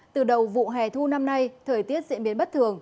từ đầu vụ hè thu năm nay thời tiết diễn biến bất thường